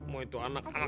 mau itu anak anak